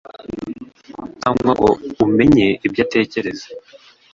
cyangwa ngo umenye ibyo atekereza,